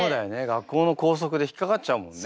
学校の校則で引っかかっちゃうもんね。